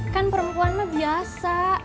kan perempuan mah biasa